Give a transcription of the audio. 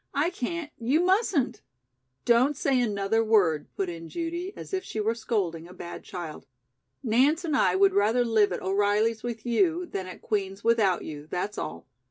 "I can't you mustn't " "Don't say another word," put in Judy as if she were scolding a bad child. "Nance and I would rather live at O'Reilly's with you than at Queen's without you, that's all.